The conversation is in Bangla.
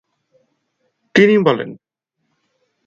তিনি বলেন।